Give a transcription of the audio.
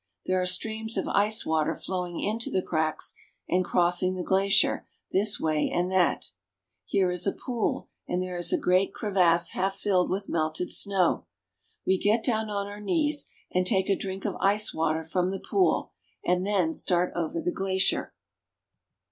There are streams of ice water flowing into the cracks and crossing the glacier this way and that. Here is a pool and there is a great crevasse half filled with melted snow. We get down on our knees, and take a drink of ice water from the pool, and then start over the glacier.